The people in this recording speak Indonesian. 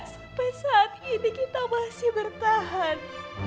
sampai saat ini kita masih bertahan